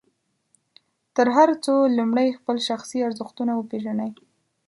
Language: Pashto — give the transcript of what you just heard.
تر هر څه لومړی خپل شخصي ارزښتونه وپېژنئ.